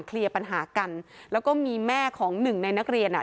เคลียร์ปัญหากันแล้วก็มีแม่ของหนึ่งในนักเรียนอ่ะ